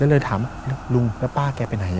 ก็เลยถามลุงแล้วป้าแกไปไหน